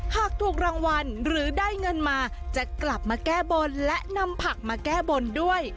หากถูกรางวัลหรือได้เงินมาจะกลับมาแก้บนและนำผักมาแก้บนด้วย